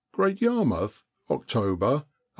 Great Yarmouth, October, 1895.